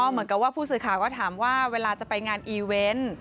เหมือนกับว่าผู้สื่อข่าวก็ถามว่าเวลาจะไปงานอีเวนต์